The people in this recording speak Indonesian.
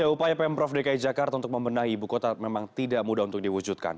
upaya pemprov dki jakarta untuk membenahi ibu kota memang tidak mudah untuk diwujudkan